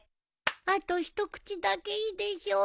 あと一口だけいいでしょ？